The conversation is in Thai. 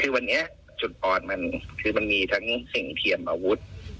คือวันนี้จุดอ่อนมันคือมันมีทั้งสิ่งเทียมอาวุธ